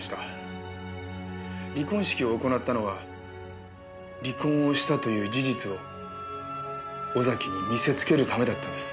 離婚式を行ったのは離婚をしたという事実を尾崎に見せつけるためだったんです。